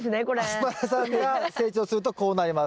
アスパラさんが成長するとこうなります。